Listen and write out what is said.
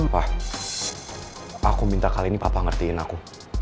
aku minta kali ini papa ngertiin aku